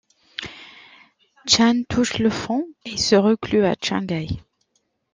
Chan touche le fond et se reclus à Shanghai.